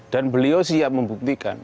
dan beliau siap membuktikan